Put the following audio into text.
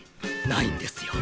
ないんですよ。